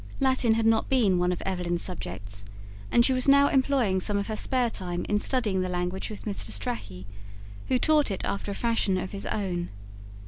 Latin had not been one of Evelyn's subjects, and she was now employing some of her spare time in studying the language with Mr. Strachey, who taught it after a fashion of his own.